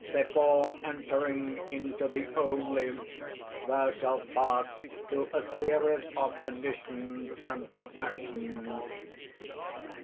_) "Before entering into the Only thou shalt pass through a series of conditions and of actions.